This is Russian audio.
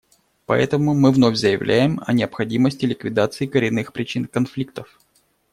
Поэтому мы вновь заявляем о необходимости ликвидации коренных причин конфликтов.